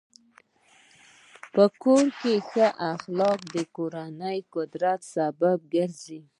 په کور کې ښه اخلاق د کورنۍ د قوت سبب ګرځي.